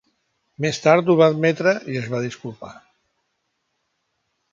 Més tard ho va admetre i es va disculpar.